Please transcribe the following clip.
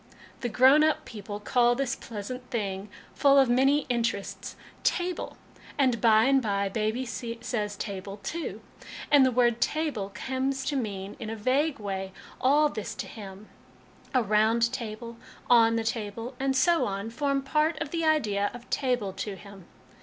The grown up people call this pleasant thing, full of many interests, 'table,' and, by and by, baby says ' table ' too ; and the word ' table ' comes to mean, in a vague way, all this to him. ' A round table,' ' on the table,' and so on, form part of the idea of 'table' to him.